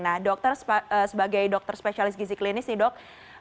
nah dokter sebagai dokter spesialis gizi klinis nih dok